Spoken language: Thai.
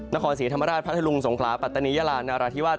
นครศรีธรรมราชพัทธลุงสงขลาปัตตานียาลานราธิวาส